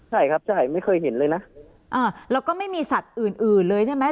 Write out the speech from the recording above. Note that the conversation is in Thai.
ใช่ครับใช่ไม่เคยเห็นเลยนะอ่าแล้วก็ไม่มีสัตว์อื่นอื่นเลยใช่ไหม